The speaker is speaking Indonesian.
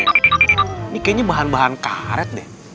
ini kayaknya bahan bahan karet deh